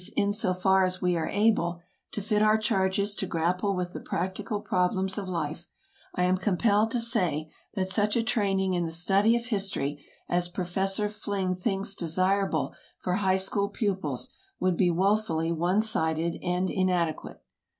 insofar as we are able, to fit our charges to grapple with the practical problems of life, I am compelled to say that such a training in the study of history as Professor Fling thinks desirable for high school pupils would be woefully one sided and inadequate.